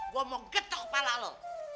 gue mau getok pala lo